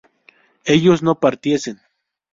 ellos no partiesen